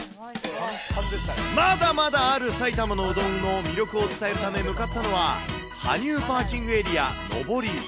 まだまだある埼玉のうどんの魅力を伝えるため向かったのは、羽生パーキングエリア上り。